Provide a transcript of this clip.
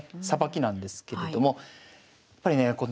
さばきなんですけれどもやっぱりねえ